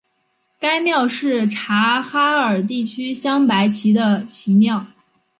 该庙是察哈尔地区镶白旗的旗庙。